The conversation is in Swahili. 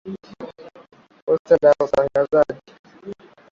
Posta la utangazaji.